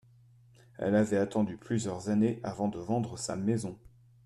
Elle avait attendu plusieurs années avant de vendre sa maison.